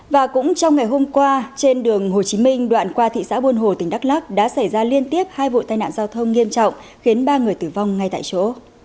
và cũng trong ngày hôm qua trên đường hồ chí minh đoạn qua thị xã buôn hồ tỉnh đắk lắc đã xảy ra liên tiếp hai vụ tai nạn giao thông nghiêm trọng khiến ba người tử vong ngay tại chỗ